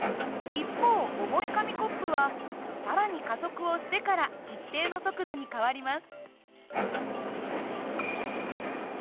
一方重い紙コップは更に加速をしてから一定の速度に変わります。